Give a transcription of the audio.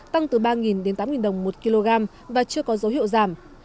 tăng từ ba đến tám đồng một kg và chưa có dấu hiệu giảm